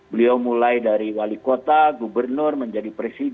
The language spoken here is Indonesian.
beliau mulai dari wali kota gubernur menjadi presiden